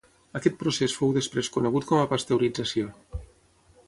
Aquest procés fou després conegut com a pasteurització.